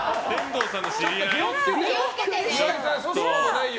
気を付けてよ。